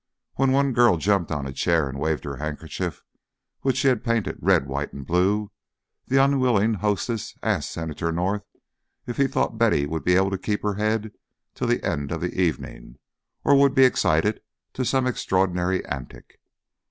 When one girl jumped on a chair and waved her handkerchief, which she had painted red, white, and blue, the unwilling hostess asked Senator North if he thought Betty would be able to keep her head till the end of the evening, or would be excited to some extraordinary antic.